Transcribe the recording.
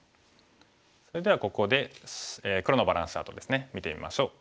それではここで黒のバランスチャートですね見てみましょう。